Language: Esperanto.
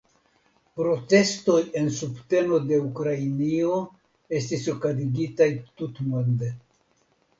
Protestoj en subteno de Ukrainio estis okazigitaj tutmonde.